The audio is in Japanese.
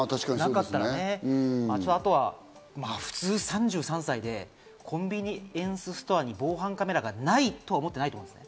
あとはちょっと、普通３３歳でコンビニエンスストアに防犯カメラがないと思ってないと思う。